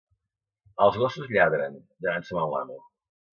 Els gossos lladren: ja han ensumat l'amo.